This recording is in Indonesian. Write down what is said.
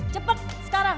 lepas itu sekarang